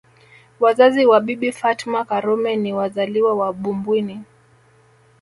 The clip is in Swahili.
Wazazi wa Bibi Fatma Karume ni wazaliwa wa Bumbwini